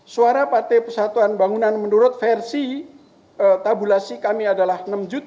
suara partai persatuan bangunan menurut versi tabulasi kami adalah enam juta